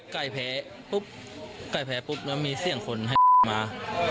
ใกล้แพ้ปุ๊บใกล้แพ้ปุ๊บแล้วมีเสียงคนให้มา